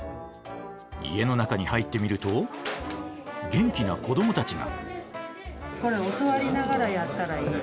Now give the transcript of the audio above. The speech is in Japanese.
家の中に入ってみると元気な子どもたちが。